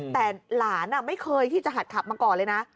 แต่หลานไม่เคยที่จะหัดขับมาก่อนเลยนะ